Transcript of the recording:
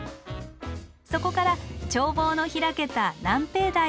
そこから眺望の開けた南平台を目指します。